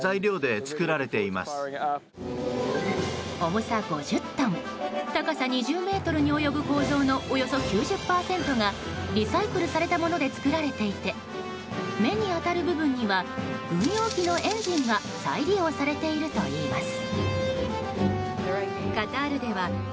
重さ５０トン、高さ２０ｍに及ぶ構造のおよそ９０％がリサイクルされたもので作られていて目に当たる部分には軍用機のエンジンが再利用されているといいます。